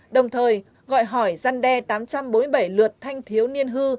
đồng thời gọi hỏi gian đe tám trăm bốn mươi bảy lượt thanh thiếu niên hư